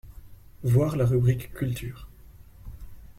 Voir la rubrique culture.